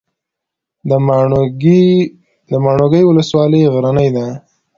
د ماڼوګي ولسوالۍ غرنۍ ده